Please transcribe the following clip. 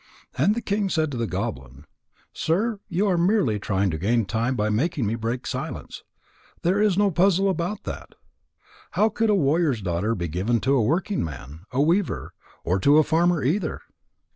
And the king said to the goblin: "Sir, you are merely trying to gain time by making me break silence. There is no puzzle about that. How could a warrior's daughter be given to a working man, a weaver? Or to a farmer, either?